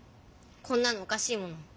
こんなのおかしいもん。